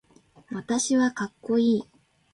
私はかっこいい